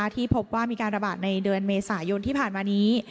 ที่พบว่ามีการระบาดในเดือนเมษายนที่ผ่านมานี้